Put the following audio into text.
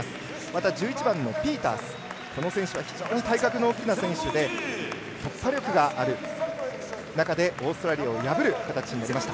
そして１１番ピータース、この人は非常に体格の大きな選手で突破力がある中でオーストラリアを破る力を見せました。